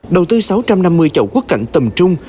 đầu tư sáu trăm năm mươi chậu quất cảnh tầm trung